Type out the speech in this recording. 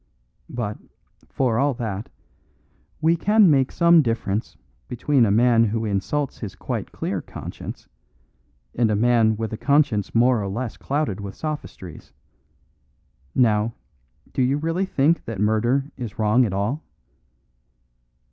But, for all that, we can make some difference between a man who insults his quite clear conscience and a man with a conscience more or less clouded with sophistries. Now, do you really think that murder is wrong at all?"